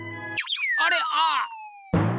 あれああ！